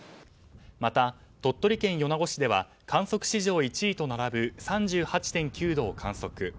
また、鳥取県米子市では観測史上１位と並ぶ３８．９度を観測。